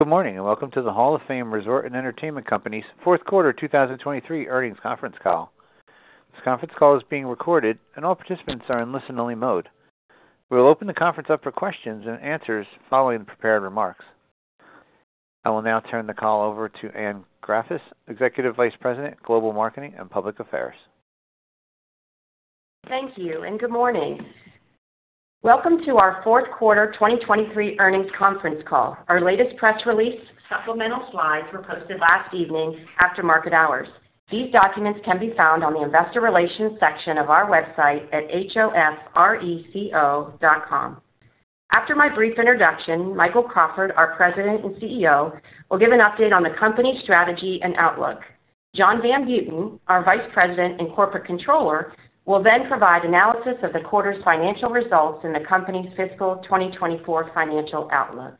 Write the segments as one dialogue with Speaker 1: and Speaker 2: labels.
Speaker 1: Good morning and welcome to the Hall of Fame Resort & Entertainment Company's Fourth Quarter 2023 Earnings Conference Call. This conference call is being recorded and all participants are in listen-only mode. We will open the conference up for questions and answers following the prepared remarks. I will now turn the call over to Anne Graffice, Executive Vice President, Global Marketing and Public Affairs.
Speaker 2: Thank you and good morning. Welcome to our fourth quarter 2023 earnings conference call. Our latest press release. Supplemental slides were posted last evening after market hours. These documents can be found on the Investor Relations section of our website at hofreco.com. After my brief introduction, Michael Crawford, our President and CEO, will give an update on the company's strategy and outlook. John Van Buiten, our Vice President and Corporate Controller, will then provide analysis of the quarter's financial results and the company's fiscal 2024 financial outlook.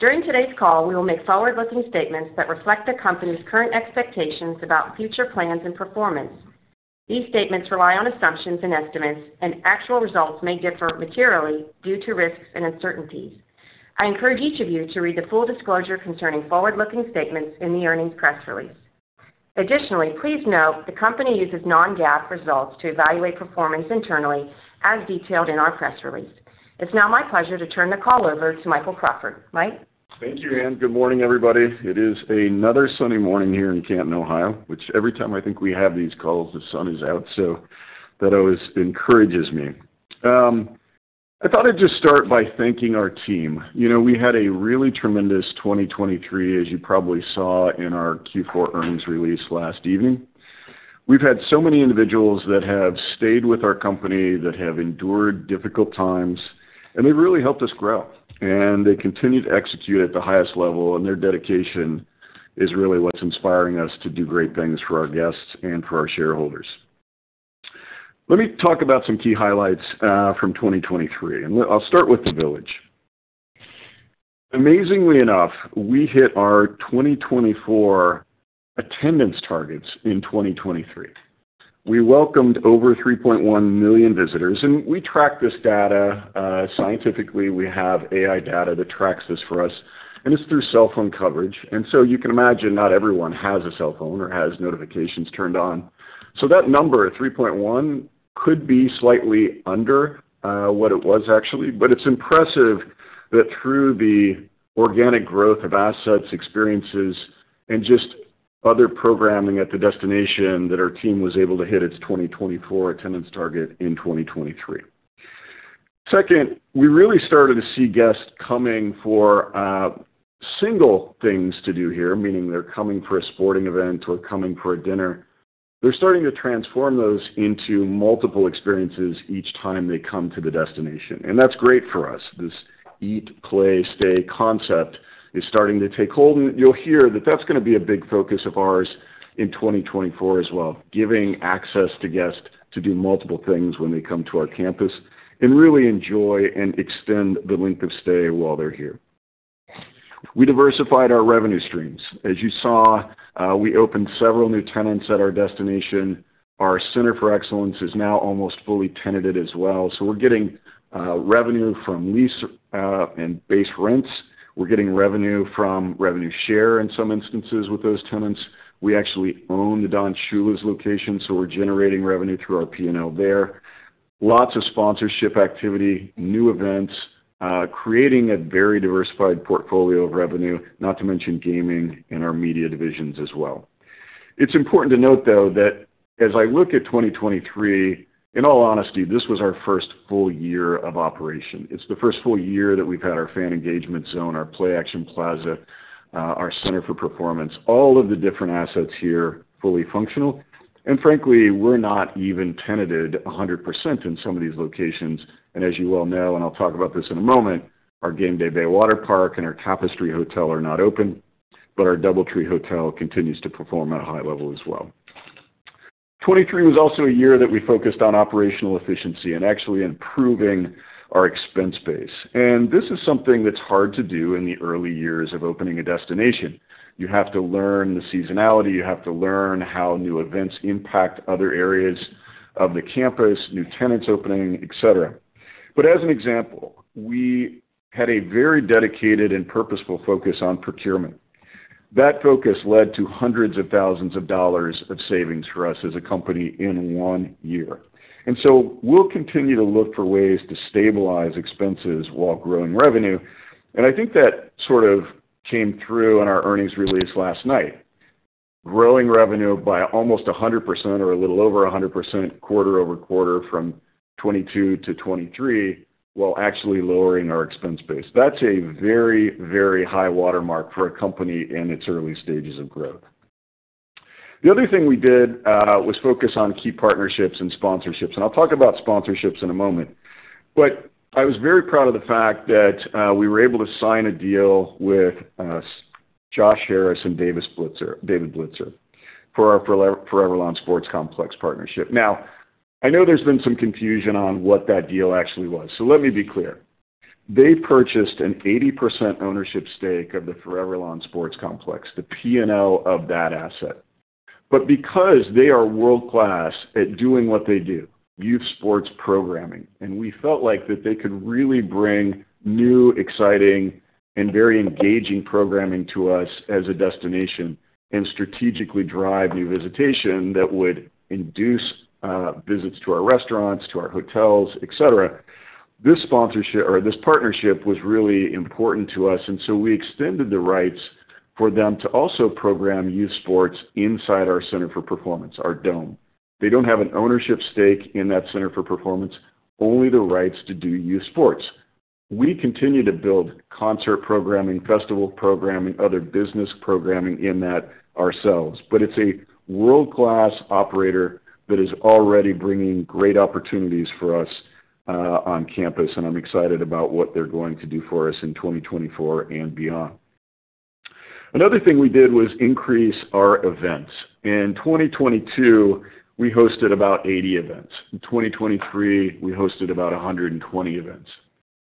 Speaker 2: During today's call, we will make forward-looking statements that reflect the company's current expectations about future plans and performance. These statements rely on assumptions and estimates, and actual results may differ materially due to risks and uncertainties. I encourage each of you to read the full disclosure concerning forward-looking statements in the earnings press release. Additionally, please note the company uses non-GAAP results to evaluate performance internally, as detailed in our press release. It's now my pleasure to turn the call over to Michael Crawford. Mike?
Speaker 3: Thank you, Anne. Good morning, everybody. It is another sunny morning here in Canton, Ohio, which every time I think we have these calls, the sun is out, so that always encourages me. I thought I'd just start by thanking our team. We had a really tremendous 2023, as you probably saw in our Q4 earnings release last evening. We've had so many individuals that have stayed with our company, that have endured difficult times, and they've really helped us grow. They continue to execute at the highest level, and their dedication is really what's inspiring us to do great things for our guests and for our shareholders. Let me talk about some key highlights from 2023, and I'll start with the village. Amazingly enough, we hit our 2024 attendance targets in 2023. We welcomed over 3.1 million visitors, and we track this data scientifically. We have AI data that tracks this for us, and it's through cell phone coverage. So you can imagine not everyone has a cell phone or has notifications turned on. So that number, 3.1, could be slightly under what it was actually, but it's impressive that through the organic growth of assets, experiences, and just other programming at the destination, that our team was able to hit its 2024 attendance target in 2023. Second, we really started to see guests coming for single things to do here, meaning they're coming for a sporting event or coming for a dinner. They're starting to transform those into multiple experiences each time they come to the destination, and that's great for us. This eat, play, stay concept is starting to take hold, and you'll hear that that's going to be a big focus of ours in 2024 as well, giving access to guests to do multiple things when they come to our campus and really enjoy and extend the length of stay while they're here. We diversified our revenue streams. As you saw, we opened several new tenants at our destination. Our Center for Excellence is now almost fully tenanted as well, so we're getting revenue from lease and base rents. We're getting revenue from revenue share in some instances with those tenants. We actually own the Don Shula's location, so we're generating revenue through our P&L there. Lots of sponsorship activity, new events, creating a very diversified portfolio of revenue, not to mention gaming in our media divisions as well. It's important to note, though, that as I look at 2023, in all honesty, this was our first full year of operation. It's the first full year that we've had our Fan Engagement Zone, our Play-Action Plaza, our Center for Performance, all of the different assets here fully functional. And frankly, we're not even tenanted 100% in some of these locations. And as you well know, and I'll talk about this in a moment, our Gameday Bay Waterpark and our Tapestry Hotel are not open, but our DoubleTree Hotel continues to perform at a high level as well. 2023 was also a year that we focused on operational efficiency and actually improving our expense base. This is something that's hard to do in the early years of opening a destination. You have to learn the seasonality. You have to learn how new events impact other areas of the campus, new tenants opening, etc. But as an example, we had a very dedicated and purposeful focus on procurement. That focus led to $100,000 of savings for us as a company in one year. So we'll continue to look for ways to stabilize expenses while growing revenue, and I think that sort of came through in our earnings release last night. Growing revenue by almost 100% or a little over 100% quarter-over-quarter from 2022 to 2023 while actually lowering our expense base. That's a very, very high watermark for a company in its early stages of growth. The other thing we did was focus on key partnerships and sponsorships, and I'll talk about sponsorships in a moment. But I was very proud of the fact that we were able to sign a deal with Josh Harris and David Blitzer for our ForeverLawn Sports Complex partnership. Now, I know there's been some confusion on what that deal actually was, so let me be clear. They purchased an 80% ownership stake of the ForeverLawn Sports Complex, the P&L of that asset. But because they are world-class at doing what they do, youth sports programming, and we felt like that they could really bring new, exciting, and very engaging programming to us as a destination and strategically drive new visitation that would induce visits to our restaurants, to our hotels, etc., this partnership was really important to us. And so we extended the rights for them to also program youth sports inside our Center for Performance, our dome. They don't have an ownership stake in that Center for Performance, only the rights to do youth sports. We continue to build concert programming, festival programming, other business programming in that ourselves, but it's a world-class operator that is already bringing great opportunities for us on campus, and I'm excited about what they're going to do for us in 2024 and beyond. Another thing we did was increase our events. In 2022, we hosted about 80 events. In 2023, we hosted about 120 events.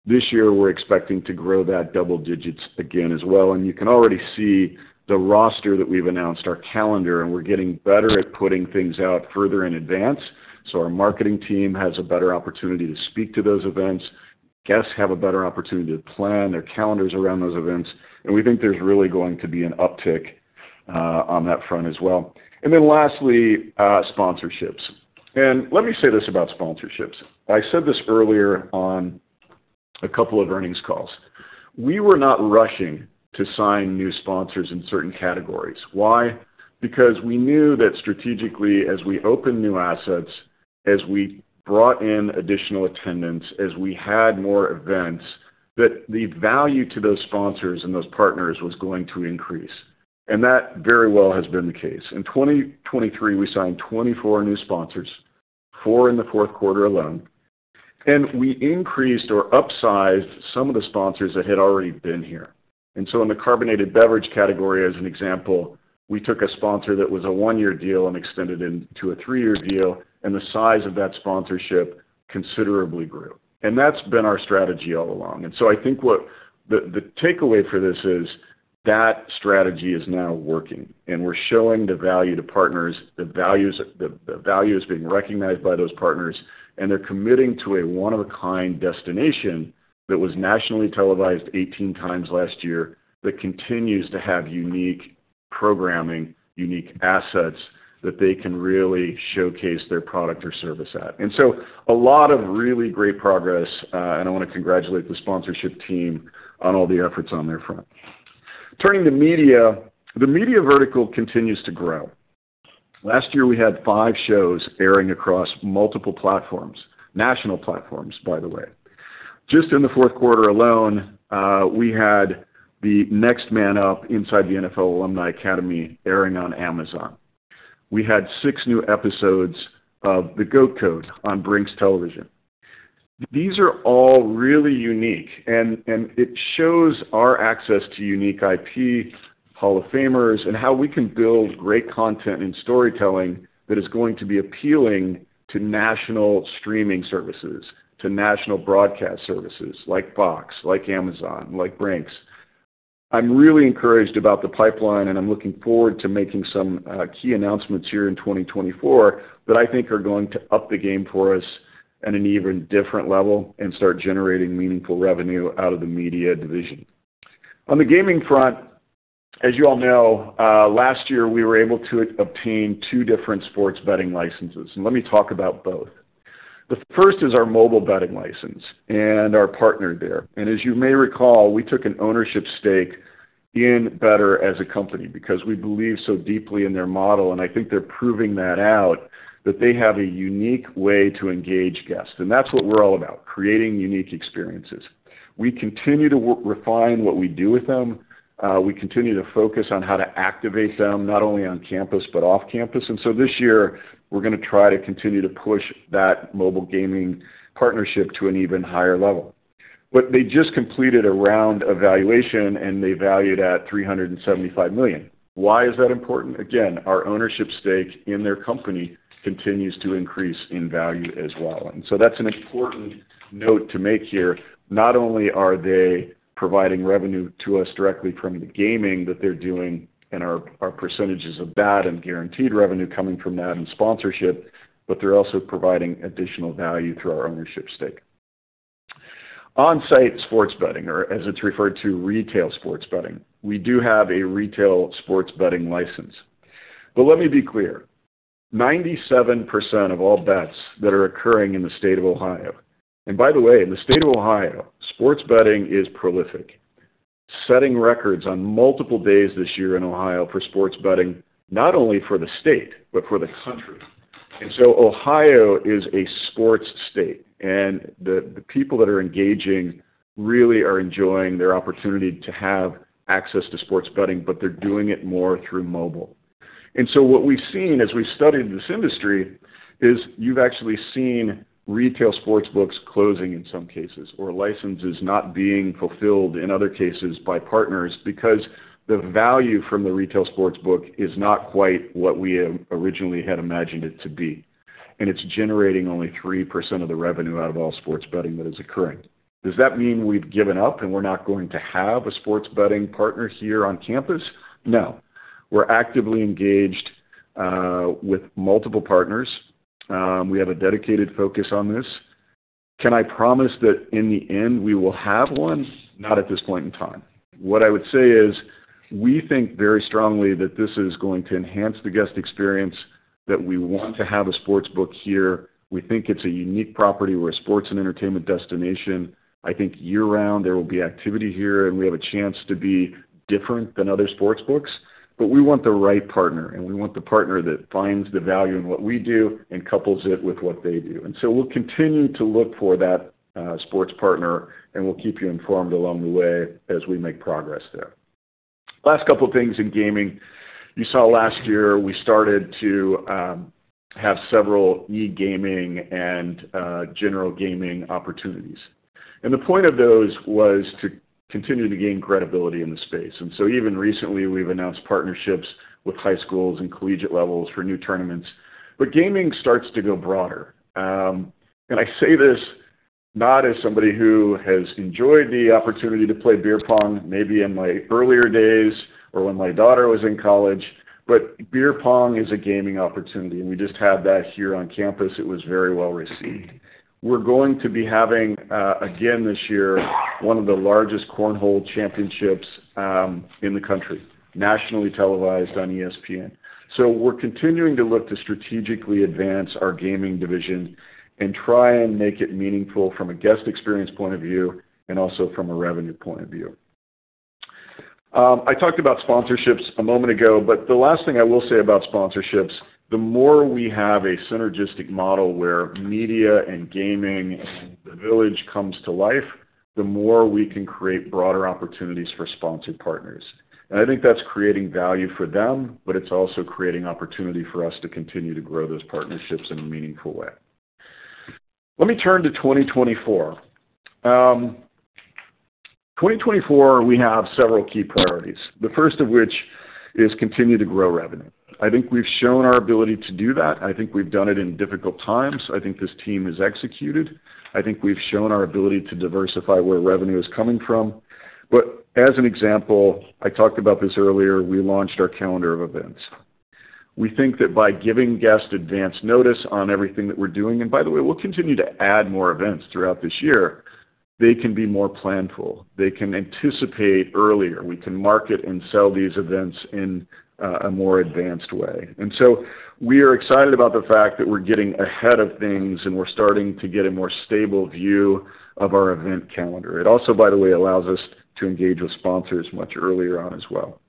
Speaker 3: This year, we're expecting to grow that double digits again as well. You can already see the roster that we've announced, our calendar, and we're getting better at putting things out further in advance. Our marketing team has a better opportunity to speak to those events. Guests have a better opportunity to plan their calendars around those events, and we think there's really going to be an uptick on that front as well. And then lastly, sponsorships. And let me say this about sponsorships. I said this earlier on a couple of earnings calls. We were not rushing to sign new sponsors in certain categories. Why? Because we knew that strategically, as we opened new assets, as we brought in additional attendance, as we had more events, that the value to those sponsors and those partners was going to increase. And that very well has been the case. In 2023, we signed 2024 new sponsors, four in the fourth quarter alone, and we increased or upsized some of the sponsors that had already been here. In the carbonated beverage category, as an example, we took a sponsor that was a one-year deal and extended it into a three-year deal, and the size of that sponsorship considerably grew. That's been our strategy all along. I think the takeaway for this is that strategy is now working, and we're showing the value to partners, the value is being recognized by those partners, and they're committing to a one-of-a-kind destination that was nationally televised 18 times last year that continues to have unique programming, unique assets that they can really showcase their product or service at. A lot of really great progress, and I want to congratulate the sponsorship team on all the efforts on their front. Turning to media, the media vertical continues to grow. Last year, we had five shows airing across multiple platforms, national platforms, by the way. Just in the fourth quarter alone, we had the Next Man Up inside the NFL Alumni Academy airing on Amazon. We had six new episodes of The G.O.A.T. Code on Brinx.TV. These are all really unique, and it shows our access to unique IP, Hall of Famers and how we can build great content and storytelling that is going to be appealing to national streaming services, to national broadcast services like Fox, like Amazon, like Bronx. I'm really encouraged about the pipeline, and I'm looking forward to making some key announcements here in 2024 that I think are going to up the game for us at an even different level and start generating meaningful revenue out of the media division. On the gaming front, as you all know, last year, we were able to obtain two different sports betting licenses, and let me talk about both. The first is our mobile betting license and our partner there. As you may recall, we took an ownership stake in Betr as a company because we believe so deeply in their model, and I think they're proving that out, that they have a unique way to engage guests. That's what we're all about, creating unique experiences. We continue to refine what we do with them. We continue to focus on how to activate them, not only on campus but off campus. This year, we're going to try to continue to push that mobile gaming partnership to an even higher level. But they just completed a round evaluation, and they valued at $375 million. Why is that important? Again, our ownership stake in their company continues to increase in value as well. That's an important note to make here. Not only are they providing revenue to us directly from the gaming that they're doing, and our percentages of that and guaranteed revenue coming from that and sponsorship, but they're also providing additional value through our ownership stake. On-site sports betting, or as it's referred to, retail sports betting. We do have a retail sports betting license. But let me be clear. 97% of all bets that are occurring in the state of Ohio and by the way, in the state of Ohio, sports betting is prolific. Setting records on multiple days this year in Ohio for sports betting, not only for the state but for the country. So Ohio is a sports state, and the people that are engaging really are enjoying their opportunity to have access to sports betting, but they're doing it more through mobile. What we've seen as we've studied this industry is you've actually seen retail sportsbooks closing in some cases or licenses not being fulfilled in other cases by partners because the value from the retail sportsbook is not quite what we originally had imagined it to be. It's generating only 3% of the revenue out of all sports betting that is occurring. Does that mean we've given up and we're not going to have a sports betting partner here on campus? No. We're actively engaged with multiple partners. We have a dedicated focus on this. Can I promise that in the end, we will have one? Not at this point in time. What I would say is we think very strongly that this is going to enhance the guest experience, that we want to have a sportsbook here. We think it's a unique property. We're a sports and entertainment destination. I think year-round, there will be activity here, and we have a chance to be different than other sports books. But we want the right partner, and we want the partner that finds the value in what we do and couples it with what they do. And so we'll continue to look for that sports partner, and we'll keep you informed along the way as we make progress there. Last couple of things in gaming. You saw last year, we started to have several e-gaming and general gaming opportunities. And the point of those was to continue to gain credibility in the space. And so even recently, we've announced partnerships with high schools and collegiate levels for new tournaments. But gaming starts to go broader. I say this not as somebody who has enjoyed the opportunity to play beer pong, maybe in my earlier days or when my daughter was in college, but beer pong is a gaming opportunity, and we just had that here on campus. It was very well received. We're going to be having, again this year, one of the largest cornhole championships in the country, nationally televised on ESPN. So we're continuing to look to strategically advance our gaming division and try and make it meaningful from a guest experience point of view and also from a revenue point of view. I talked about sponsorships a moment ago, but the last thing I will say about sponsorships, the more we have a synergistic model where media and gaming and the village comes to life, the more we can create broader opportunities for sponsored partners. I think that's creating value for them, but it's also creating opportunity for us to continue to grow those partnerships in a meaningful way. Let me turn to 2024. 2024, we have several key priorities, the first of which is continue to grow revenue. I think we've shown our ability to do that. I think we've done it in difficult times. I think this team has executed. I think we've shown our ability to diversify where revenue is coming from. But as an example, I talked about this earlier, we launched our calendar of events. We think that by giving guests advance notice on everything that we're doing and by the way, we'll continue to add more events throughout this year, they can be more planful. They can anticipate earlier. We can market and sell these events in a more advanced way. We are excited about the fact that we're getting ahead of things, and we're starting to get a more stable view of our event calendar. It also, by the way, allows us to engage with sponsors much earlier on as well.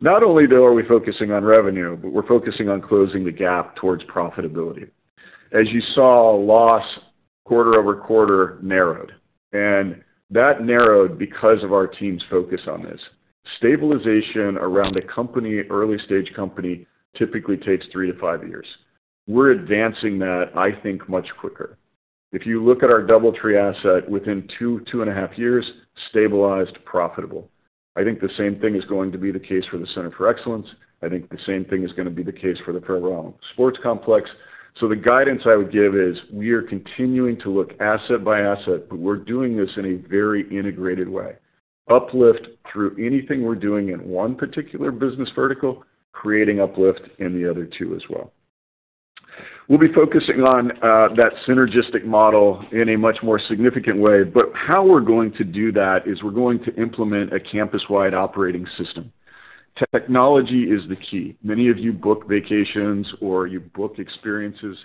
Speaker 3: Not only, though, are we focusing on revenue, but we're focusing on closing the gap towards profitability. As you saw, loss quarter over quarter narrowed, and that narrowed because of our team's focus on this. Stabilization around a company, early-stage company, typically takes three-five years. We're advancing that, I think, much quicker. If you look at our DoubleTree asset, within two-2.5 years, stabilized, profitable. I think the same thing is going to be the case for the Center for Excellence. I think the same thing is going to be the case for the ForeverLawn Sports Complex. The guidance I would give is we are continuing to look asset by asset, but we're doing this in a very integrated way. Uplift through anything we're doing in one particular business vertical, creating uplift in the other two as well. We'll be focusing on that synergistic model in a much more significant way, but how we're going to do that is we're going to implement a campus-wide operating system. Technology is the key. Many of you book vacations or you book experiences.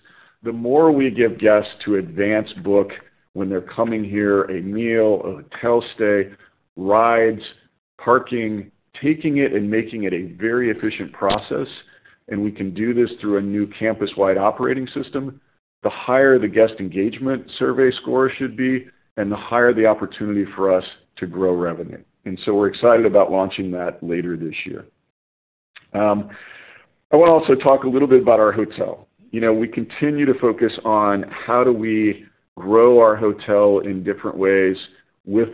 Speaker 3: The more we give guests to advance book when they're coming here, a meal, a hotel stay, rides, parking, taking it and making it a very efficient process, and we can do this through a new campus-wide operating system, the higher the guest engagement survey score should be, and the higher the opportunity for us to grow revenue. So we're excited about launching that later this year. I want to also talk a little bit about our hotel. We continue to focus on how do we grow our hotel in different ways with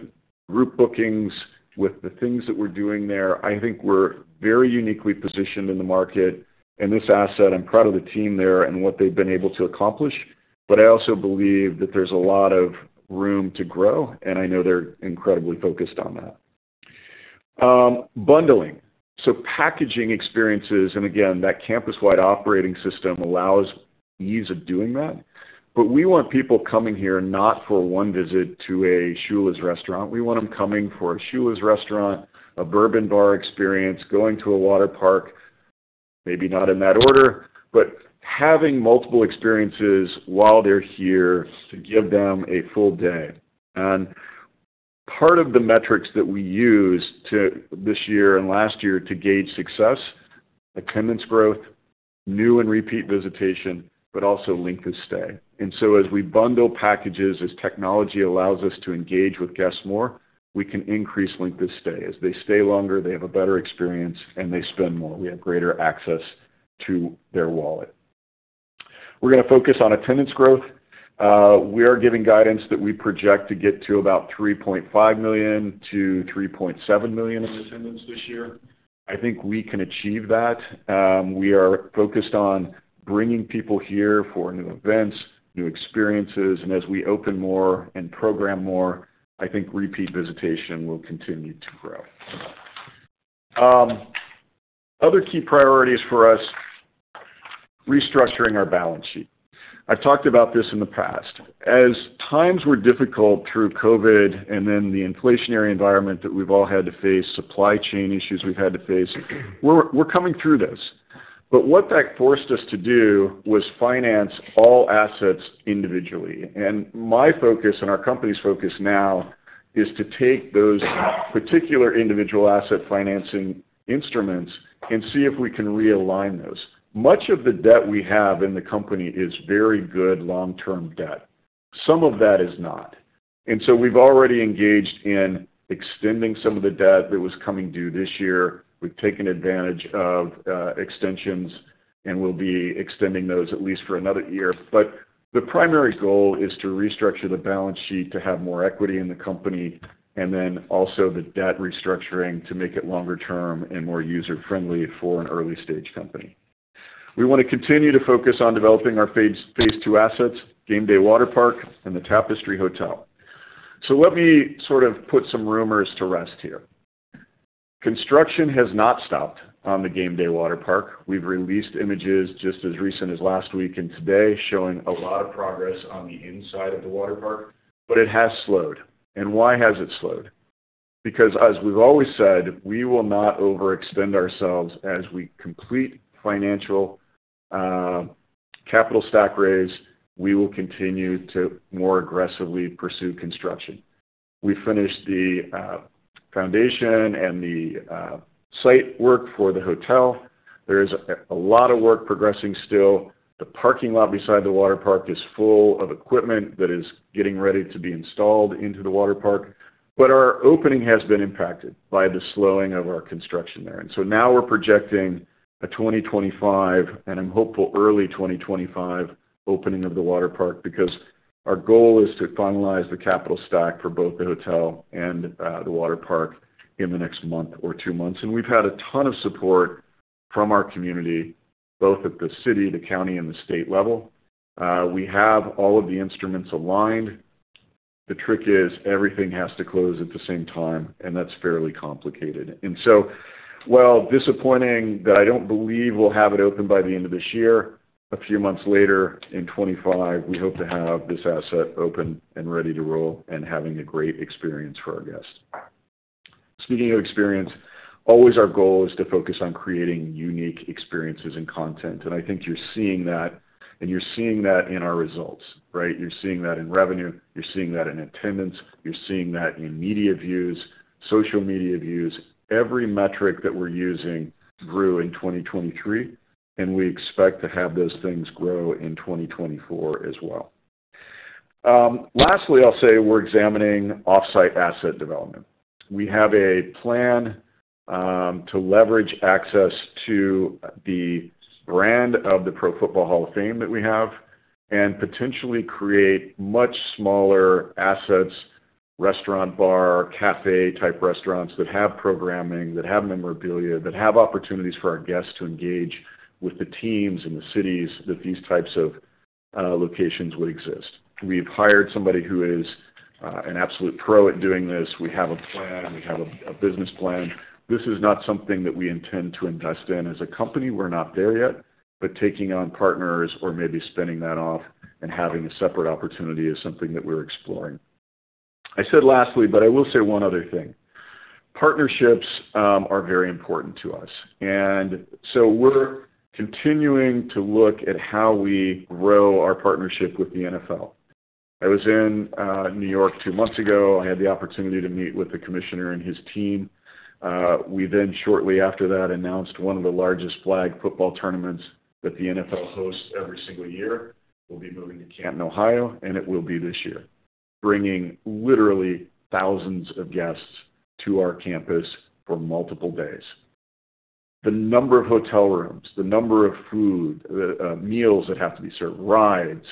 Speaker 3: group bookings, with the things that we're doing there. I think we're very uniquely positioned in the market in this asset. I'm proud of the team there and what they've been able to accomplish, but I also believe that there's a lot of room to grow, and I know they're incredibly focused on that. Bundling. So packaging experiences, and again, that campus-wide operating system allows ease of doing that. But we want people coming here not for one visit to a Shula's restaurant. We want them coming for a Shula's restaurant, a bourbon bar experience, going to a waterpark, maybe not in that order, but having multiple experiences while they're here to give them a full day. Part of the metrics that we use this year and last year to gauge success, attendance growth, new and repeat visitation, but also length of stay. So as we bundle packages, as technology allows us to engage with guests more, we can increase length of stay. As they stay longer, they have a better experience, and they spend more. We have greater access to their wallet. We're going to focus on attendance growth. We are giving guidance that we project to get to about 3.5 million-3.7 million in attendance this year. I think we can achieve that. We are focused on bringing people here for new events, new experiences, and as we open more and program more, I think repeat visitation will continue to grow. Other key priorities for us: restructuring our balance sheet. I've talked about this in the past. As times were difficult through COVID and then the inflationary environment that we've all had to face, supply chain issues we've had to face, we're coming through this. But what that forced us to do was finance all assets individually. And my focus and our company's focus now is to take those particular individual asset financing instruments and see if we can realign those. Much of the debt we have in the company is very good long-term debt. Some of that is not. And so we've already engaged in extending some of the debt that was coming due this year. We've taken advantage of extensions, and we'll be extending those at least for another year. But the primary goal is to restructure the balance sheet to have more equity in the company and then also the debt restructuring to make it longer-term and more user-friendly for an early-stage company. We want to continue to focus on developing our phase II assets, Gameday Bay Waterpark and the Tapestry Hotel. So let me sort of put some rumors to rest here. Construction has not stopped on the Gameday Bay Waterpark. We've released images just as recent as last week and today showing a lot of progress on the inside of the waterpark, but it has slowed. And why has it slowed? Because as we've always said, we will not overextend ourselves. As we complete financial Capital Stack raise, we will continue to more aggressively pursue construction. We finished the foundation and the site work for the hotel. There is a lot of work progressing still. The parking lot beside the waterpark is full of equipment that is getting ready to be installed into the waterpark, but our opening has been impacted by the slowing of our construction there. And so now we're projecting a 2025, and I'm hopeful early 2025, opening of the waterpark because our goal is to finalize the capital stack for both the hotel and the waterpark in the next month or two months. And we've had a ton of support from our community, both at the city, the county, and the state level. We have all of the instruments aligned. The trick is everything has to close at the same time, and that's fairly complicated. Well, disappointing that I don't believe we'll have it open by the end of this year. A few months later in 2025, we hope to have this asset open and ready to roll and having a great experience for our guests. Speaking of experience, always our goal is to focus on creating unique experiences and content. I think you're seeing that, and you're seeing that in our results, right? You're seeing that in revenue. You're seeing that in attendance. You're seeing that in media views, social media views. Every metric that we're using grew in 2023, and we expect to have those things grow in 2024 as well. Lastly, I'll say we're examining offsite asset development. We have a plan to leverage access to the brand of the Pro Football Hall of Fame that we have and potentially create much smaller assets, restaurant bar, café-type restaurants that have programming, that have memorabilia, that have opportunities for our guests to engage with the teams and the cities that these types of locations would exist. We've hired somebody who is an absolute pro at doing this. We have a plan. We have a business plan. This is not something that we intend to invest in. As a company, we're not there yet, but taking on partners or maybe spinning that off and having a separate opportunity is something that we're exploring. I said lastly, but I will say one other thing. Partnerships are very important to us. And so we're continuing to look at how we grow our partnership with the NFL. I was in New York two months ago. I had the opportunity to meet with the commissioner and his team. We then, shortly after that, announced one of the largest flag football tournaments that the NFL hosts every single year. We'll be moving to Canton, Ohio, and it will be this year, bringing literally 1,000 of guests to our campus for multiple days. The number of hotel rooms, the number of food, the meals that have to be served, rides,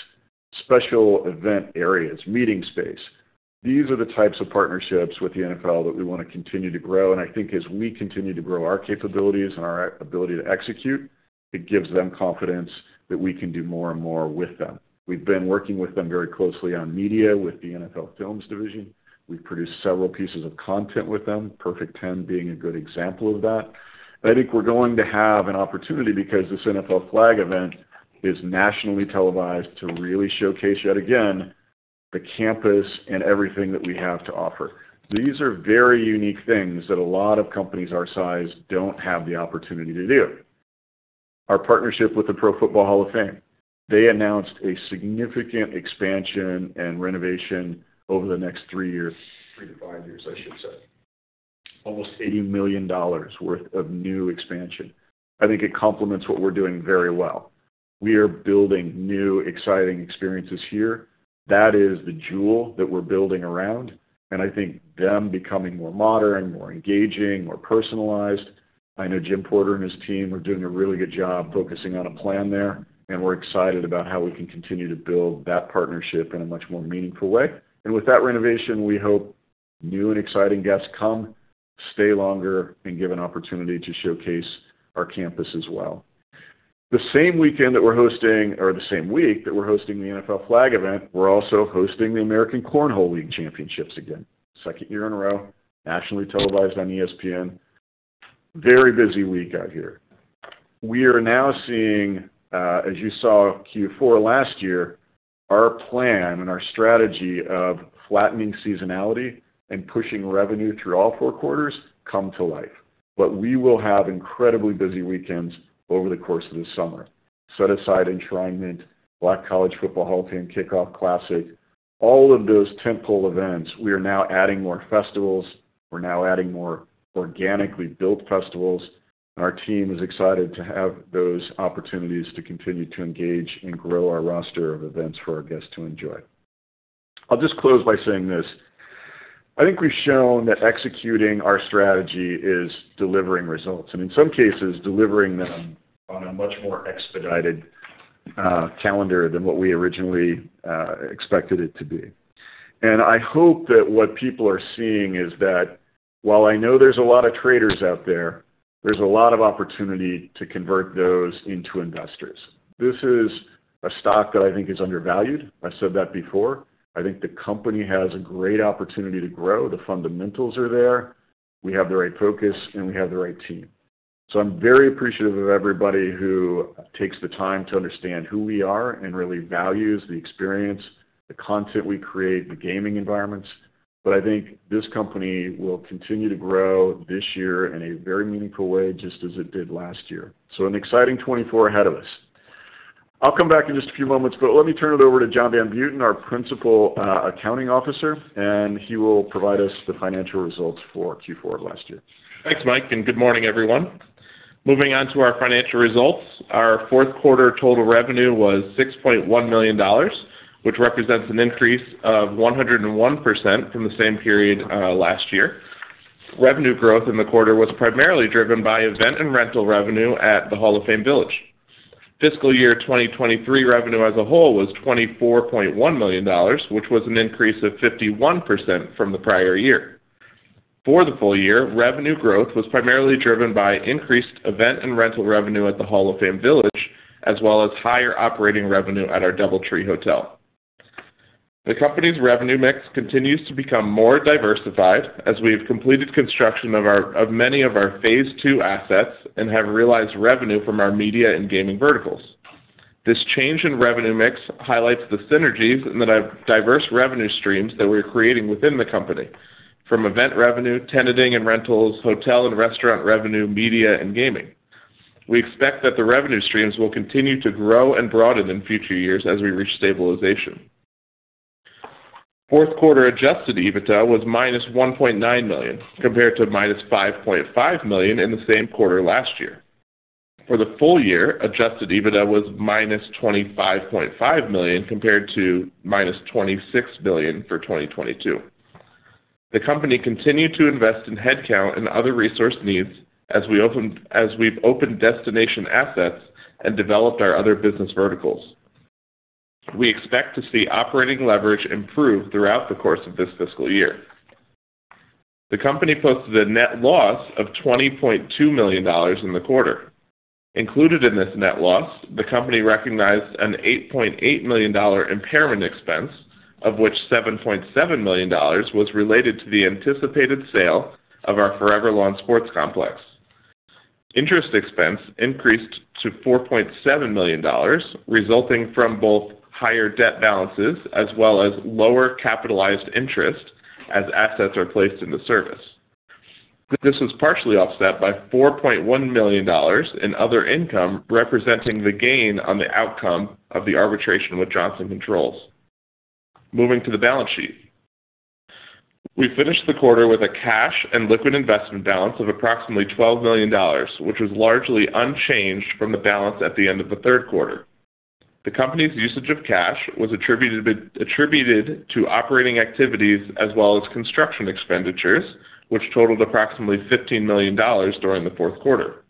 Speaker 3: special event areas, meeting space, these are the types of partnerships with the NFL that we want to continue to grow. And I think as we continue to grow our capabilities and our ability to execute, it gives them confidence that we can do more and more with them. We've been working with them very closely on media with the NFL Films Division. We've produced several pieces of content with them, Perfect 10 being a good example of that. I think we're going to have an opportunity because this NFL flag event is nationally televised to really showcase, yet again, the campus and everything that we have to offer. These are very unique things that a lot of companies our size don't have the opportunity to do. Our partnership with the Pro Football Hall of Fame, they announced a significant expansion and renovation over the next three years, three-five years, I should say, almost $80 million worth of new expansion. I think it complements what we're doing very well. We are building new, exciting experiences here. That is the jewel that we're building around, and I think them becoming more modern, more engaging, more personalized. I know Jim Porter and his team are doing a really good job focusing on a plan there, and we're excited about how we can continue to build that partnership in a much more meaningful way. With that renovation, we hope new and exciting guests come, stay longer, and give an opportunity to showcase our campus as well. The same weekend that we're hosting or the same week that we're hosting the NFL flag event, we're also hosting the American Cornhole League Championships again, second year in a row, nationally televised on ESPN. Very busy week out here. We are now seeing, as you saw Q4 last year, our plan and our strategy of flattening seasonality and pushing revenue through all four quarters come to life. We will have incredibly busy weekends over the course of the summer. Enshrinement Week, Black College Football Hall of Fame Classic, all of those tentpole events, we are now adding more festivals. We're now adding more organically built festivals, and our team is excited to have those opportunities to continue to engage and grow our roster of events for our guests to enjoy. I'll just close by saying this. I think we've shown that executing our strategy is delivering results and, in some cases, delivering them on a much more expedited calendar than what we originally expected it to be. I hope that what people are seeing is that while I know there's a lot of traders out there, there's a lot of opportunity to convert those into investors. This is a stock that I think is undervalued. I've said that before. I think the company has a great opportunity to grow. The fundamentals are there. We have the right focus, and we have the right team. So I'm very appreciative of everybody who takes the time to understand who we are and really values the experience, the content we create, the gaming environments. But I think this company will continue to grow this year in a very meaningful way just as it did last year. So an exciting 2024 ahead of us. I'll come back in just a few moments, but let me turn it over to John Van Buiten, our principal accounting officer, and he will provide us the financial results for Q4 of last year.
Speaker 4: Thanks, Mike, and good morning, everyone. Moving on to our financial results, our fourth quarter total revenue was $6.1 million, which represents an increase of 101% from the same period last year. Revenue growth in the quarter was primarily driven by event and rental revenue at the Hall of Fame Village. Fiscal year 2023 revenue as a whole was $24.1 million, which was an increase of 51% from the prior year. For the full year, revenue growth was primarily driven by increased event and rental revenue at the Hall of Fame Village as well as higher operating revenue at our DoubleTree Hotel. The company's revenue mix continues to become more diversified as we have completed construction of many of our phase two assets and have realized revenue from our media and gaming verticals. This change in revenue mix highlights the synergies in the diverse revenue streams that we're creating within the company, from event revenue, ticketing and rentals, hotel and restaurant revenue, media, and gaming. We expect that the revenue streams will continue to grow and broaden in future years as we reach stabilization. Fourth quarter Adjusted EBITDA was -$1.9 million compared to -$5.5 million in the same quarter last year. For the full year, Adjusted EBITDA was -$25.5 million compared to -$26 million for 2022. The company continued to invest in headcount and other resource needs as we've opened destination assets and developed our other business verticals. We expect to see operating leverage improve throughout the course of this fiscal year. The company posted a net loss of $20.2 million in the quarter. Included in this net loss, the company recognized an $8.8 million impairment expense, of which $7.7 million was related to the anticipated sale of our ForeverLawn Sports Complex. Interest expense increased to $4.7 million, resulting from both higher debt balances as well as lower capitalized interest as assets are placed into service. This was partially offset by $4.1 million in other income representing the gain on the outcome of the arbitration with Johnson Controls. Moving to the balance sheet, we finished the quarter with a cash and liquid investment balance of approximately $12 million, which was largely unchanged from the balance at the end of the third quarter. The company's usage of cash was attributed to operating activities as well as construction expenditures, which totaled approximately $15 million during the fourth quarter.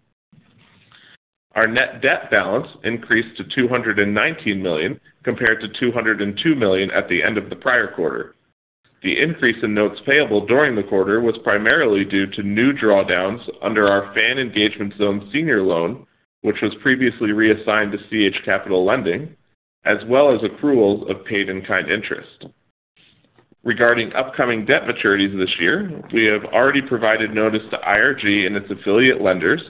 Speaker 4: Our net debt balance increased to $219 million compared to $202 million at the end of the prior quarter. The increase in notes payable during the quarter was primarily due to new drawdowns under our Fan Engagement Zone Senior Loan, which was previously reassigned to CH Capital Lending, as well as accruals of paid-in-kind interest. Regarding upcoming debt maturities this year, we have already provided notice to IRG and its affiliate lenders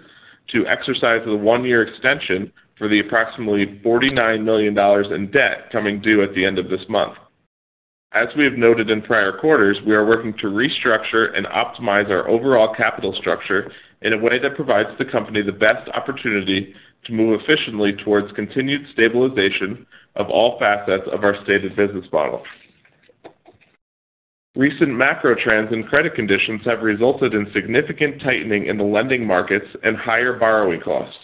Speaker 4: to exercise the one-year extension for the approximately $49 million in debt coming due at the end of this month. As we have noted in prior quarters, we are working to restructure and optimize our overall capital structure in a way that provides the company the best opportunity to move efficiently towards continued stabilization of all facets of our stated business model. Recent macro trends in credit conditions have resulted in significant tightening in the lending markets and higher borrowing costs.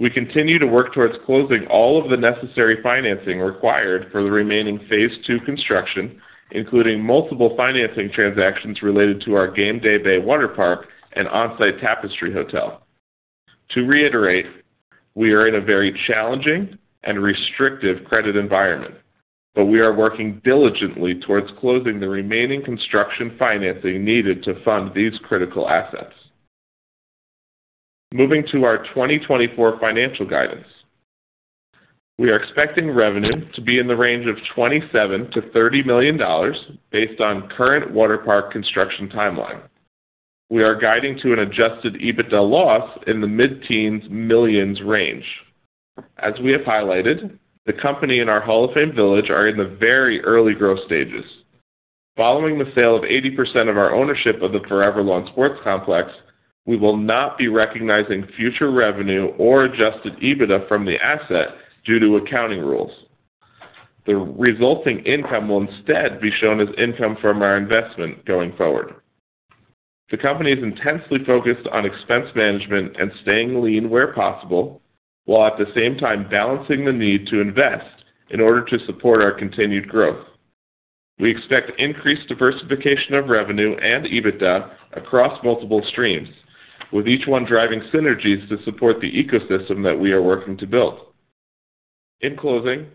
Speaker 4: We continue to work towards closing all of the necessary financing required for the remaining phase two construction, including multiple financing transactions related to our Gameday Bay Waterpark and onsite Tapestry Hotel. To reiterate, we are in a very challenging and restrictive credit environment, but we are working diligently towards closing the remaining construction financing needed to fund these critical assets. Moving to our 2024 financial guidance, we are expecting revenue to be in the range of $27-$30 million based on current waterpark construction timeline. We are guiding to an adjusted EBITDA loss in the mid-teens millions range. As we have highlighted, the company and our Hall of Fame Village are in the very early growth stages. Following the sale of 80% of our ownership of the ForeverLawn Sports Complex, we will not be recognizing future revenue or Adjusted EBITDA from the asset due to accounting rules. The resulting income will instead be shown as income from our investment going forward. The company is intensely focused on expense management and staying lean where possible, while at the same time balancing the need to invest in order to support our continued growth. We expect increased diversification of revenue and EBITDA across multiple streams, with each one driving synergies to support the ecosystem that we are working to build. In closing,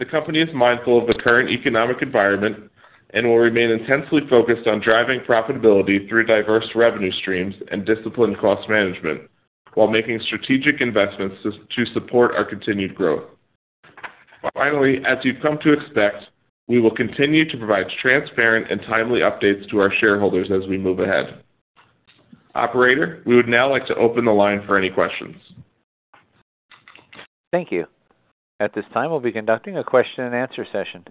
Speaker 4: the company is mindful of the current economic environment and will remain intensely focused on driving profitability through diverse revenue streams and disciplined cost management while making strategic investments to support our continued growth. Finally, as you've come to expect, we will continue to provide transparent and timely updates to our shareholders as we move ahead. Operator, we would now like to open the line for any questions.
Speaker 1: Thank you. At this time, we'll be conducting a question-and-answer session.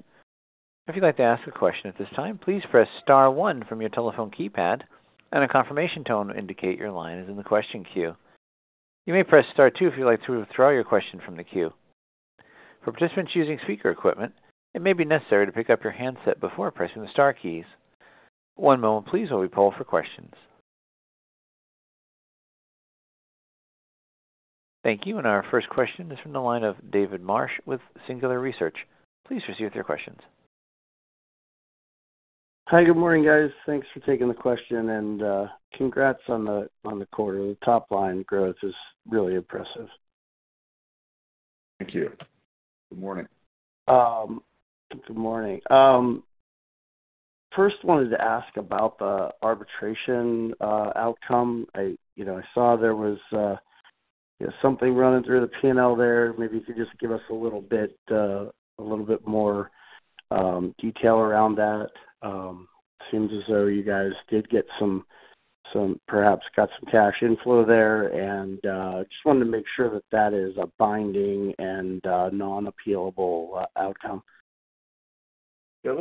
Speaker 1: If you'd like to ask a question at this time, please press star one from your telephone keypad, and a confirmation tone will indicate your line is in the question queue. You may press star two if you'd like to withdraw your question from the queue. For participants using speaker equipment, it may be necessary to pick up your handset before pressing the star keys. One moment, please, while we poll for questions. Thank you, and our first question is from the line of David Marsh with Singular Research. Please proceed with your questions.
Speaker 5: Hi, good morning, guys. Thanks for taking the question, and congrats on the quarter. The top line growth is really impressive.
Speaker 3: Thank you. Good morning.
Speaker 5: Good morning. First, wanted to ask about the arbitration outcome. I saw there was something running through the P&L there. Maybe you could just give us a little bit more detail around that. Seems as though you guys did get some, perhaps, got some cash inflow there, and just wanted to make sure that that is a binding and non-appealable outcome.
Speaker 3: Yeah,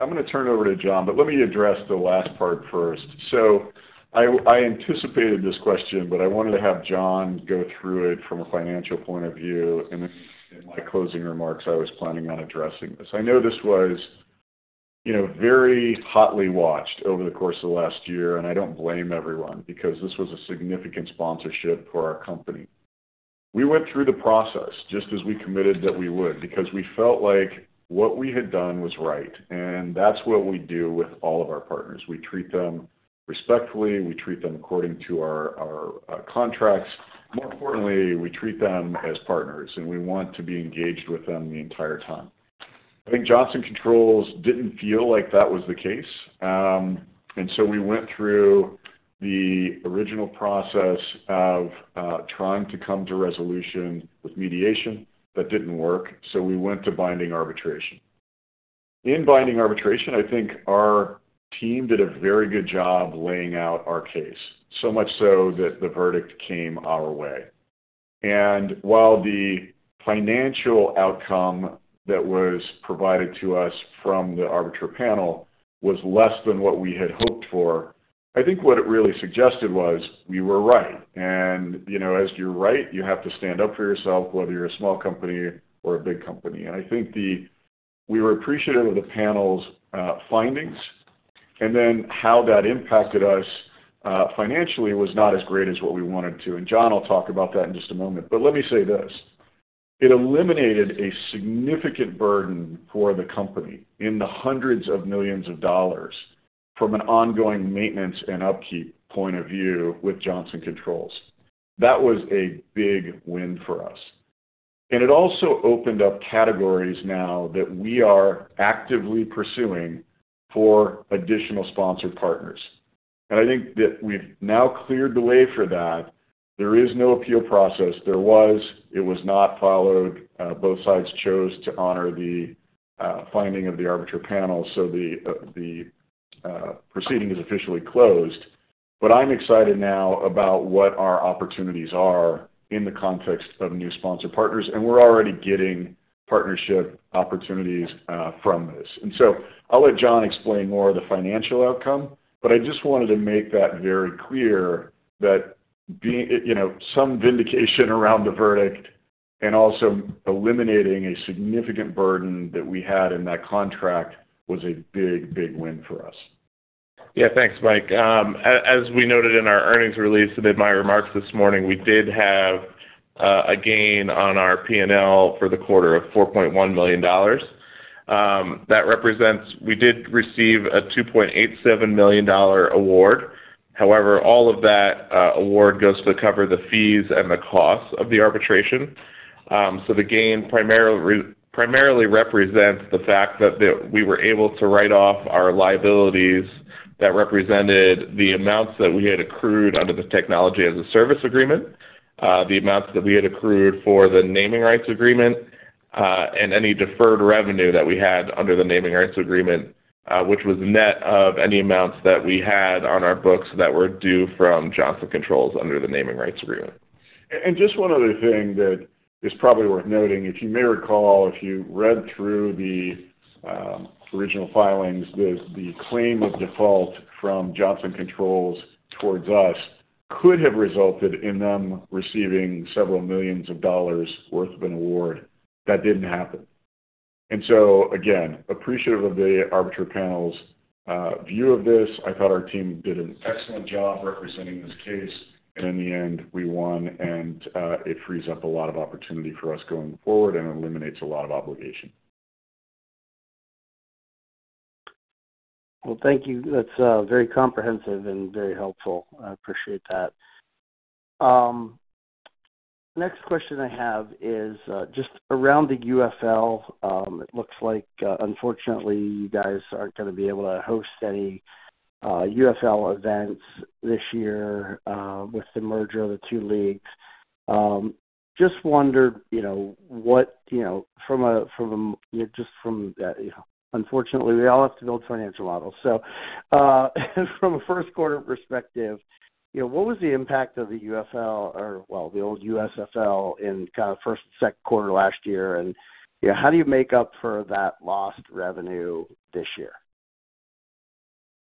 Speaker 3: I'm going to turn it over to John, but let me address the last part first. So I anticipated this question, but I wanted to have John go through it from a financial point of view. In my closing remarks, I was planning on addressing this. I know this was very hotly watched over the course of the last year, and I don't blame everyone because this was a significant sponsorship for our company. We went through the process just as we committed that we would because we felt like what we had done was right, and that's what we do with all of our partners. We treat them respectfully. We treat them according to our contracts. More importantly, we treat them as partners, and we want to be engaged with them the entire time. I think Johnson Controls didn't feel like that was the case, and so we went through the original process of trying to come to resolution with mediation. That didn't work, so we went to binding arbitration. In binding arbitration, I think our team did a very good job laying out our case, so much so that the verdict came our way. While the financial outcome that was provided to us from the arbitrator panel was less than what we had hoped for, I think what it really suggested was we were right. And as you're right, you have to stand up for yourself, whether you're a small company or a big company. And I think we were appreciative of the panel's findings, and then how that impacted us financially was not as great as what we wanted to. And John will talk about that in just a moment. But let me say this. It eliminated a significant burden for the company in the $100 of millions from an ongoing maintenance and upkeep point of view with Johnson Controls. That was a big win for us. And it also opened up categories now that we are actively pursuing for additional sponsored partners. And I think that we've now cleared the way for that. There is no appeal process. There was. It was not followed. Both sides chose to honor the finding of the arbitrator panel, so the proceeding is officially closed. But I'm excited now about what our opportunities are in the context of new sponsored partners, and we're already getting partnership opportunities from this. And so I'll let John explain more of the financial outcome, but I just wanted to make that very clear that some vindication around the verdict and also eliminating a significant burden that we had in that contract was a big, big win for us.
Speaker 4: Yeah, thanks, Mike. As we noted in our earnings release and in my remarks this morning, we did have a gain on our P&L for the quarter of $4.1 million. We did receive a $2.87 million award. However, all of that award goes to cover the fees and the costs of the arbitration. So the gain primarily represents the fact that we were able to write off our liabilities that represented the amounts that we had accrued under the technology as a service agreement, the amounts that we had accrued for the naming rights agreement, and any deferred revenue that we had under the naming rights agreement, which was net of any amounts that we had on our books that were due from Johnson Controls under the naming rights agreement.
Speaker 3: Just one other thing that is probably worth noting. If you may recall, if you read through the original filings, the claim of default from Johnson Controls towards us could have resulted in them receiving several millions of dollars' worth of an award. That didn't happen. And so again, appreciative of the arbitrator panel's view of this. I thought our team did an excellent job representing this case, and in the end, we won, and it frees up a lot of opportunity for us going forward and eliminates a lot of obligation.
Speaker 5: Well, thank you. That's very comprehensive and very helpful. I appreciate that. Next question I have is just around the UFL. It looks like, unfortunately, you guys aren't going to be able to host any UFL events this year with the merger of the two leagues. Just wondered what from a, unfortunately, we all have to build financial models. So from a first-quarter perspective, what was the impact of the UFL or, well, the old USFL in kind of first and second quarter last year? And how do you make up for that lost revenue this year?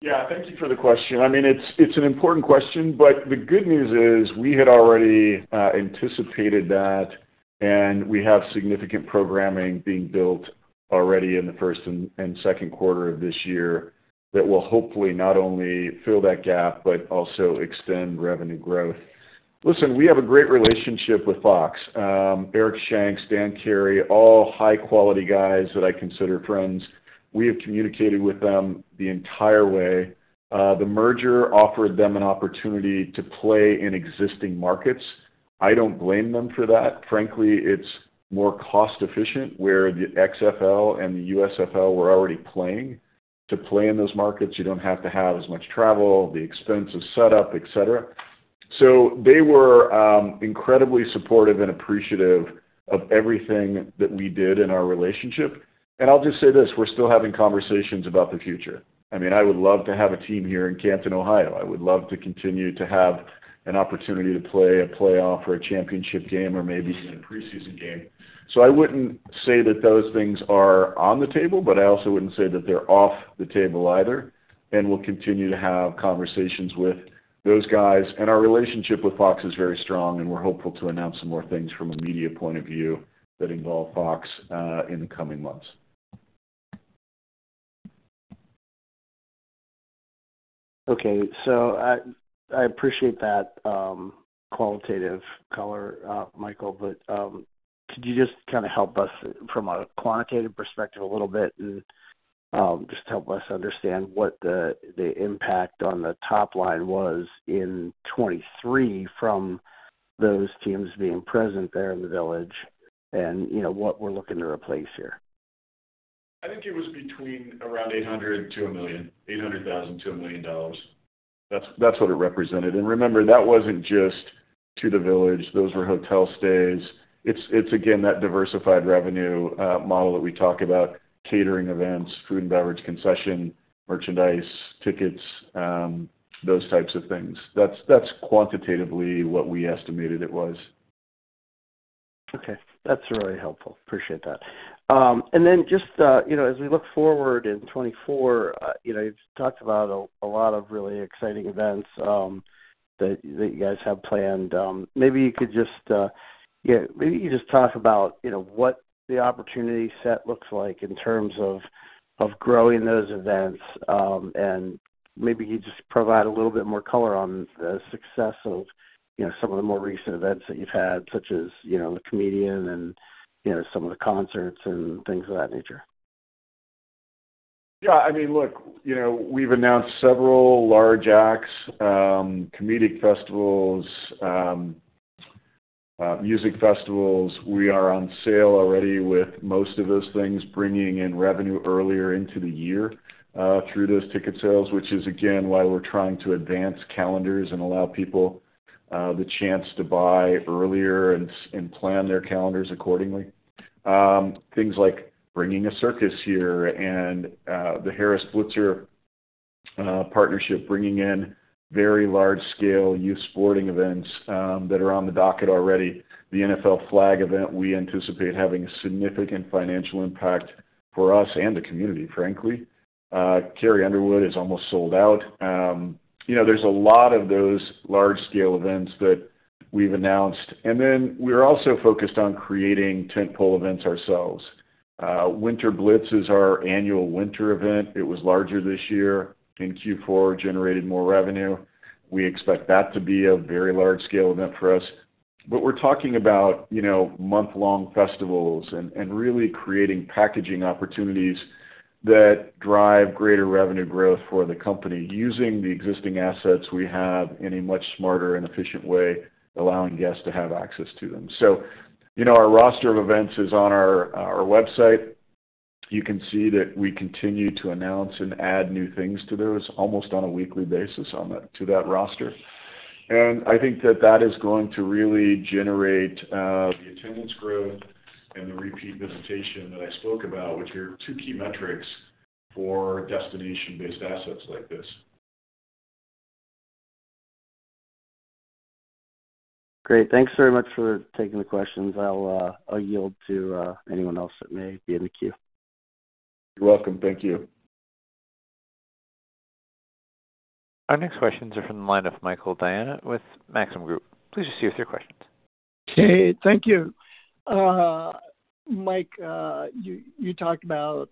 Speaker 3: Yeah, thank you for the question. I mean, it's an important question, but the good news is we had already anticipated that, and we have significant programming being built already in the first and second quarter of this year that will hopefully not only fill that gap but also extend revenue growth. Listen, we have a great relationship with Fox, Eric Shanks, Stan Kerry, all high-quality guys that I consider friends. We have communicated with them the entire way. The merger offered them an opportunity to play in existing markets. I don't blame them for that. Frankly, it's more cost-efficient where the XFL and the USFL were already playing. To play in those markets, you don't have to have as much travel, the expensive setup, etc. So they were incredibly supportive and appreciative of everything that we did in our relationship. And I'll just say this. We're still having conversations about the future. I mean, I would love to have a team here in Canton, Ohio. I would love to continue to have an opportunity to play a playoff or a championship game or maybe even a preseason game. So I wouldn't say that those things are on the table, but I also wouldn't say that they're off the table either. And we'll continue to have conversations with those guys. And our relationship with Fox is very strong, and we're hopeful to announce some more things from a media point of view that involve Fox in the coming months.
Speaker 5: Okay. So I appreciate that qualitative color, Michael, but could you just kind of help us from a quantitative perspective a little bit and just help us understand what the impact on the top line was in 2023 from those teams being present there in the village and what we're looking to replace here?
Speaker 3: I think it was between around $800,000-$1 million, $800,000-$1 million. That's what it represented. And remember, that wasn't just to the village. Those were hotel stays. It's, again, that diversified revenue model that we talk about, catering events, food and beverage concession, merchandise, tickets, those types of things. That's quantitatively what we estimated it was.
Speaker 5: Okay. That's really helpful. Appreciate that. And then just as we look forward in 2024, you've talked about a lot of really exciting events that you guys have planned. Maybe you could just yeah, maybe you could just talk about what the opportunity set looks like in terms of growing those events, and maybe you just provide a little bit more color on the success of some of the more recent events that you've had, such as the Comedian and some of the concerts and things of that nature.
Speaker 3: Yeah. I mean, look, we've announced several large acts, comedic festivals, music festivals. We are on sale already with most of those things, bringing in revenue earlier into the year through those ticket sales, which is, again, why we're trying to advance calendars and allow people the chance to buy earlier and plan their calendars accordingly. Things like bringing a circus here and the Harris Blitzer partnership, bringing in very large-scale youth sporting events that are on the docket already. The NFL Flag event, we anticipate having a significant financial impact for us and the community, frankly. Carrie Underwood is almost sold out. There's a lot of those large-scale events that we've announced. And then we're also focused on creating tentpole events ourselves. Winter Blitz is our annual winter event. It was larger this year in Q4, generated more revenue. We expect that to be a very large-scale event for us. But we're talking about month-long festivals and really creating packaging opportunities that drive greater revenue growth for the company using the existing assets we have in a much smarter and efficient way, allowing guests to have access to them. So our roster of events is on our website. You can see that we continue to announce and add new things to those almost on a weekly basis to that roster. I think that that is going to really generate the attendance growth and the repeat visitation that I spoke about, which are two key metrics for destination-based assets like this.
Speaker 5: Great. Thanks very much for taking the questions. I'll yield to anyone else that may be in the queue.
Speaker 3: You're welcome. Thank you.
Speaker 1: Our next questions are from the line of Michael Diana with Maxim Group. Please go ahead with your questions.
Speaker 6: Okay. Thank you. Mike, you talked about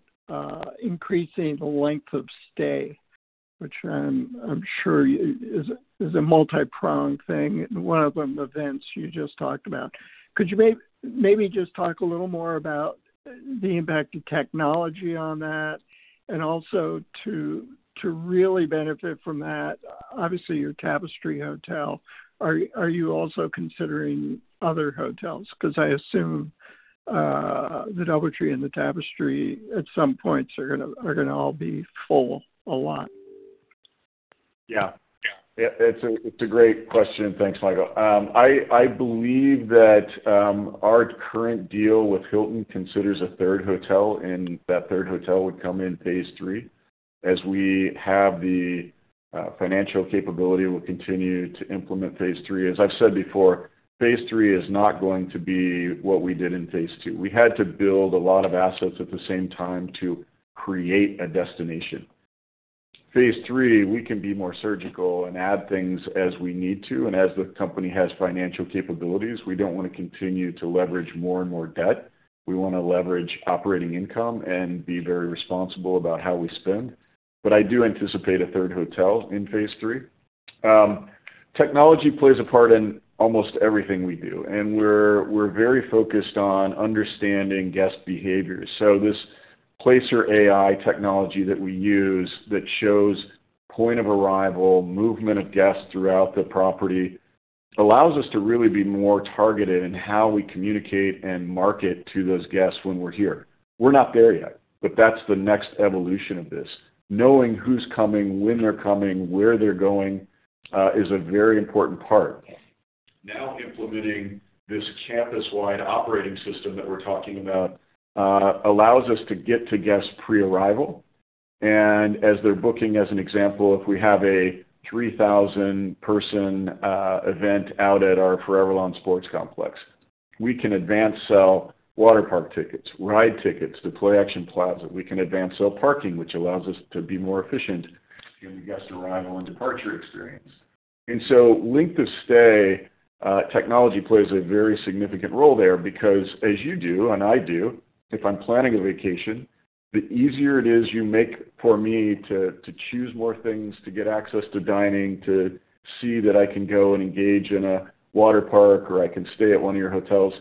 Speaker 6: increasing the length of stay, which I'm sure is a multi-pronged thing. One of them, the events you just talked about. Could you maybe just talk a little more about the impact of technology on that? And also to really benefit from that, obviously, your Tapestry Hotel, are you also considering other hotels? Because I assume the DoubleTree and the Tapestry, at some points, are going to all be full a lot.
Speaker 3: Yeah. Yeah. It's a great question. Thanks, Michael. I believe that our current deal with Hilton considers a third hotel, and that third hotel would come in phase III. As we have the financial capability, we'll continue to implement phase three. As I've said before, phase III is not going to be what we did in phase II. We had to build a lot of assets at the same time to create a destination. Phase III, we can be more surgical and add things as we need to. And as the company has financial capabilities, we don't want to continue to leverage more and more debt. We want to leverage operating income and be very responsible about how we spend. But I do anticipate a third hotel in phase III. Technology plays a part in almost everything we do, and we're very focused on understanding guest behaviors. So this Placer.ai technology that we use that shows point of arrival, movement of guests throughout the property allows us to really be more targeted in how we communicate and market to those guests when we're here. We're not there yet, but that's the next evolution of this. Knowing who's coming, when they're coming, where they're going is a very important part. Now implementing this campus-wide operating system that we're talking about allows us to get to guests pre-arrival. And as they're booking, as an example, if we have a 3,000-person event out at our ForeverLawn Sports Complex, we can advance-sell waterpark tickets, ride tickets to Play-Action Plaza. We can advance-sell parking, which allows us to be more efficient in the guest arrival and departure experience. And so length of stay, technology plays a very significant role there because, as you do and I do, if I'm planning a vacation, the easier it is you make for me to choose more things, to get access to dining, to see that I can go and engage in a waterpark or I can stay at one of your hotels,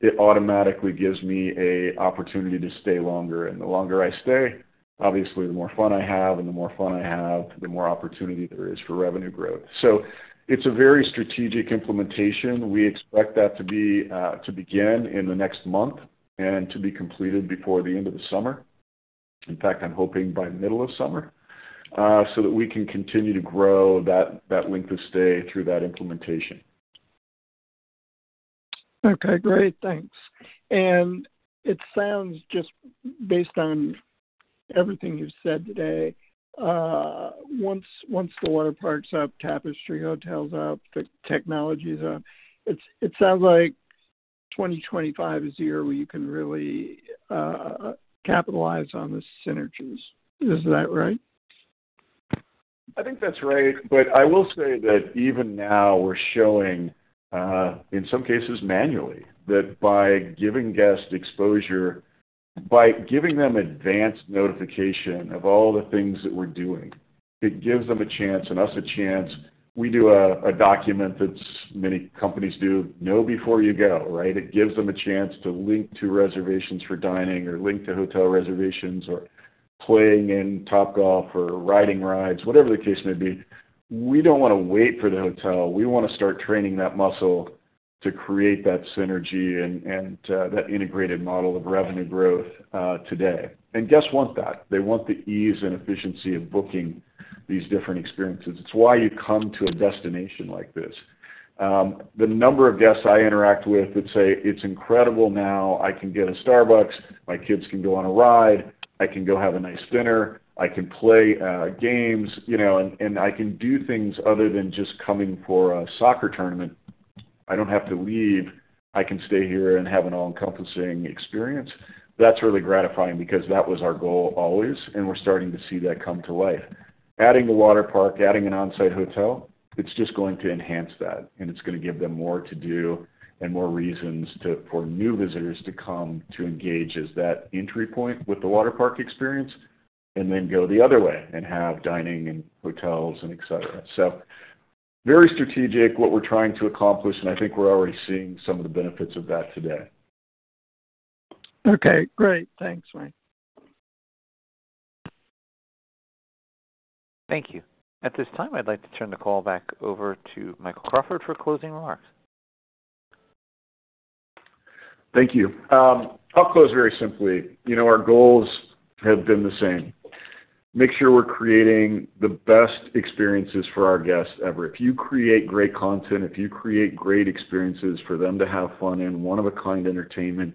Speaker 3: it automatically gives me an opportunity to stay longer. And the longer I stay, obviously, the more fun I have. And the more fun I have, the more opportunity there is for revenue growth. So it's a very strategic implementation. We expect that to begin in the next month and to be completed before the end of the summer. In fact, I'm hoping by the middle of summer so that we can continue to grow that length of stay through that implementation.
Speaker 6: Okay. Great. Thanks. And it sounds just based on everything you've said today, once the waterpark's up, Tapestry Hotel's up, the technology's up, it sounds like 2025 is the year where you can really capitalize on the synergies. Is that right?
Speaker 3: I think that's right. But I will say that even now, we're showing, in some cases manually, that by giving guests exposure, by giving them advanced notification of all the things that we're doing, it gives them a chance and us a chance. We do a document that many companies do, "Know before you go," right? It gives them a chance to link to reservations for dining or link to hotel reservations or playing in Topgolf or riding rides, whatever the case may be. We don't want to wait for the hotel. We want to start training that muscle to create that synergy and that integrated model of revenue growth today. Guests want that. They want the ease and efficiency of booking these different experiences. It's why you come to a destination like this. The number of guests I interact with that say, "It's incredible now. I can get a Starbucks. My kids can go on a ride. I can go have a nice dinner. I can play games, and I can do things other than just coming for a soccer tournament. I don't have to leave. I can stay here and have an all-encompassing experience," that's really gratifying because that was our goal always, and we're starting to see that come to life. Adding a waterpark, adding an onsite hotel, it's just going to enhance that, and it's going to give them more to do and more reasons for new visitors to come to engage as that entry point with the waterpark experience and then go the other way and have dining and hotels and etc. So very strategic, what we're trying to accomplish, and I think we're already seeing some of the benefits of that today.
Speaker 6: Okay. Great. Thanks, Mike.
Speaker 1: Thank you. At this time, I'd like to turn the call back over to Michael Crawford for closing remarks.
Speaker 3: Thank you. I'll close very simply. Our goals have been the same. Make sure we're creating the best experiences for our guests ever. If you create great content, if you create great experiences for them to have fun in, one-of-a-kind entertainment,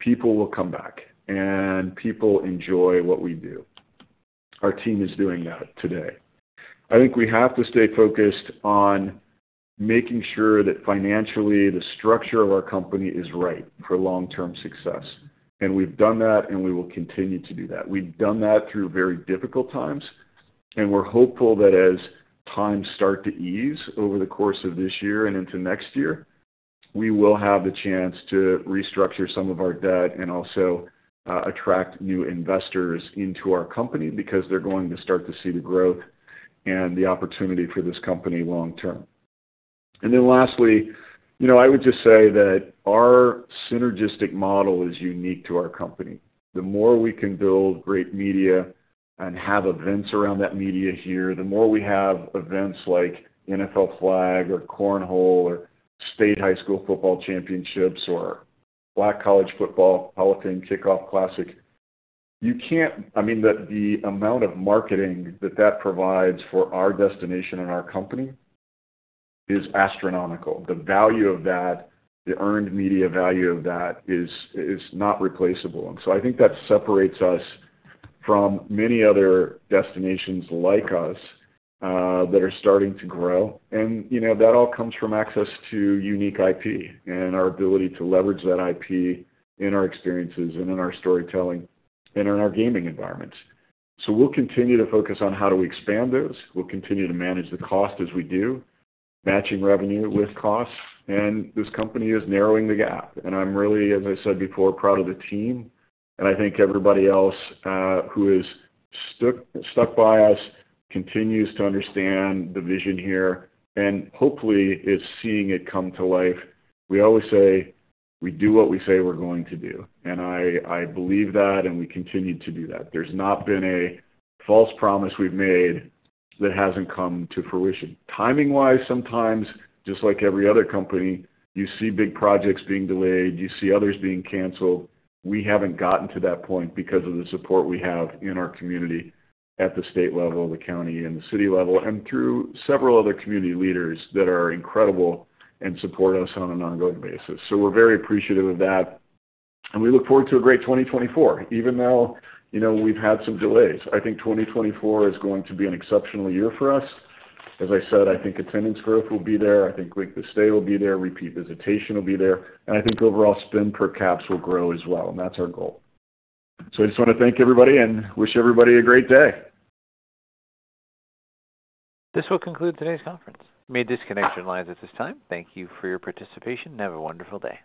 Speaker 3: people will come back, and people enjoy what we do. Our team is doing that today. I think we have to stay focused on making sure that financially, the structure of our company is right for long-term success. And we've done that, and we will continue to do that. We've done that through very difficult times, and we're hopeful that as times start to ease over the course of this year and into next year, we will have the chance to restructure some of our debt and also attract new investors into our company because they're going to start to see the growth and the opportunity for this company long-term. And then lastly, I would just say that our synergistic model is unique to our company. The more we can build great media and have events around that media here, the more we have events like NFL Flag or Cornhole or state high school football championships or Black College Football, Peloton Kickoff Classic, I mean, the amount of marketing that that provides for our destination and our company is astronomical. The value of that, the earned media value of that, is not replaceable. And that all comes from access to unique IP and our ability to leverage that IP in our experiences and in our storytelling and in our gaming environments. So we'll continue to focus on how do we expand those. We'll continue to manage the cost as we do, matching revenue with costs. And this company is narrowing the gap. I'm really, as I said before, proud of the team. I think everybody else who has stuck by us continues to understand the vision here and hopefully is seeing it come to life. We always say, "We do what we say we're going to do." I believe that, and we continue to do that. There's not been a false promise we've made that hasn't come to fruition. Timing-wise, sometimes, just like every other company, you see big projects being delayed. You see others being canceled. We haven't gotten to that point because of the support we have in our community at the state level, the county, and the city level, and through several other community leaders that are incredible and support us on an ongoing basis. So we're very appreciative of that. We look forward to a great 2024, even though we've had some delays. I think 2024 is going to be an exceptional year for us. As I said, I think attendance growth will be there. I think length of stay will be there. Repeat visitation will be there. I think overall spend per caps will grow as well, and that's our goal. So I just want to thank everybody and wish everybody a great day.
Speaker 1: This will conclude today's conference. You may disconnect at this time. Thank you for your participation. Have a wonderful day.